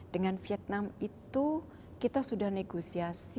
dengan vietnam itu kita sudah negosiasi